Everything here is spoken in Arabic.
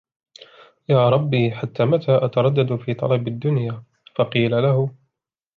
يَا رَبِّ حَتَّى مَتَى أَتَرَدَّدُ فِي طَلَبِ الدُّنْيَا ؟ فَقِيلَ لَهُ